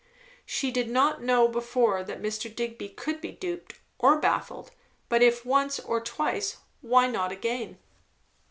She did not know before that Mr. Digby could be duped, or baffled; but if once or twice, why not again.